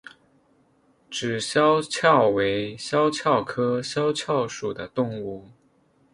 脂肖峭为肖峭科肖峭属的动物。